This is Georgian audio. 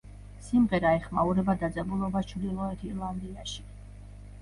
სიმღერა ეხმაურება დაძაბულობას ჩრდილოეთ ირლანდიაში.